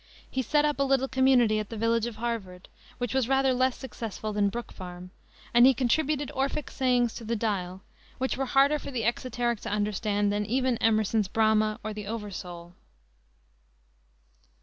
He set up a little community at the village of Harvard, which was rather less successful than Brook Farm, and he contributed Orphic Sayings to the Dial, which were harder for the exoteric to understand than even Emerson's Brahma or the Over soul.